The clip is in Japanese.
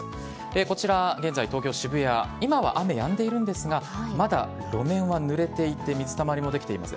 こちら、現在東京・渋谷、今は雨、やんでいるんですが、まだ路面はぬれていて、水たまりも出来ています。